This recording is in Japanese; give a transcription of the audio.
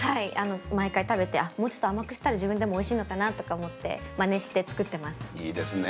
毎回食べてもうちょっと甘くしたら自分でもおいしいのかなと思ってまねして食べてます。